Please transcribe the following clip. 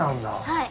はい。